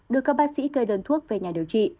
đưa các bác sĩ kê đơn thuốc về nhà điều trị